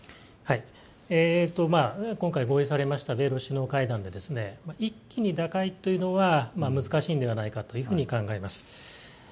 今回合意されました米露首脳会談で一気に打開というのは難しいのではないかと考えます。